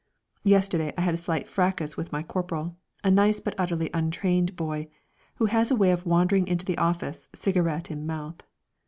Yesterday I had a slight fracas with my corporal, a nice but utterly untrained boy, who has a way of wandering into the office, cigarette in mouth.